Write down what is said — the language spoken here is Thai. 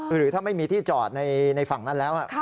หรือถ้าไม่มีที่จอดในฝั่งนั้นแล้ว